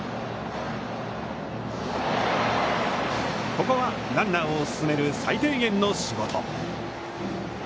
ここはランナーを進める最低限の仕事。